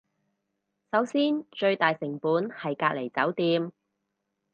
首先最大成本係隔離酒店